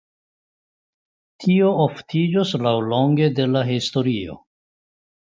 Tio oftiĝos laŭlonge de la historio.